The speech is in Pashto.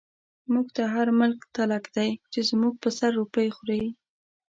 موږ ته هر ملک تلک دی، چی زموږ په سر روپۍ خوری